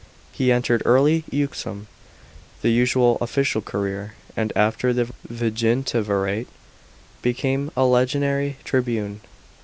D.). He entered early ujxm the usual official career, and, after the viginti virate, became a legionary tribune.